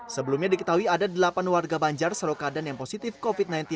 sebelumnya diketahui ada delapan warga banjar seroka dan yang positif covid sembilan belas